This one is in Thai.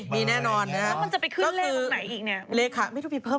เมื่อก่อนไม่มี๐๒อะไร